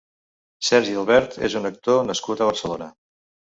Sergi Albert és un actor nascut a Barcelona.